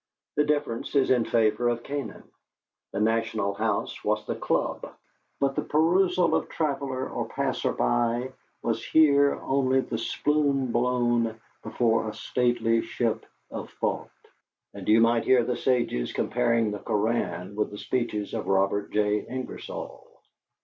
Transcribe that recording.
The difference is in favor of Canaan; the "National House" was the club, but the perusal of traveller or passer by was here only the spume blown before a stately ship of thought; and you might hear the sages comparing the Koran with the speeches of Robert J. Ingersoll.